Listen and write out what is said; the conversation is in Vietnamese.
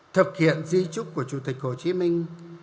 thực hiện di trúc của chủ tịch hồ chí minh